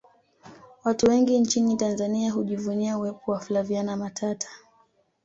watu wengi nchini tanzania hujivunia uwepo wa flaviana matata